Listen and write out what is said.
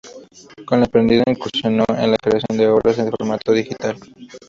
Con lo aprendido, incursionó en la creación de obras en formato digital.